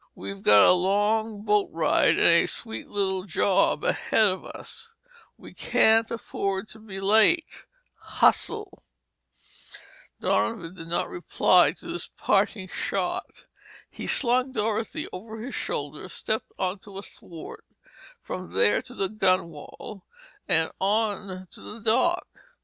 We've got a long boat ride and a sweet little job ahead of us. We can't afford to be late—hustle!" Donovan did not bother to reply to this parting shot. He slung Dorothy over his shoulder, stepped onto a thwart, from there to the gunwale and on to the dock.